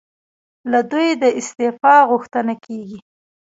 له دوی د استعفی غوښتنه کېږي.